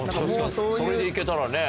それで行けたらね。